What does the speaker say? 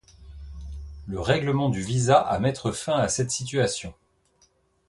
Le règlement du visa à mettre fin à cette situation.